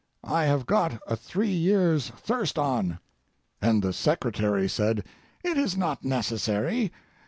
I have got a three years' thirst on.' "And the secretary said: 'It is not necessary.